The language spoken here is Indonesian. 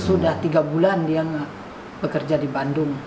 sudah tiga bulan dia bekerja di bandung